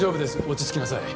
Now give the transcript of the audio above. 落ち着きなさい